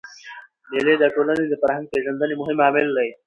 مېلې د ټولني د فرهنګ پېژندني مهم عامل دئ.